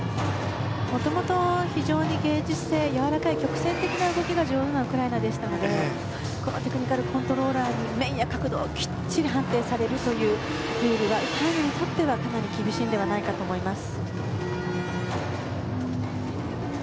もともと非常に芸術性やわらかい曲線的な動きが上手なウクライナですのでテクニカルコントローラーに面や角度をきっちり判定されるというルールはウクライナにとってはかなり厳しいんじゃないかと思います。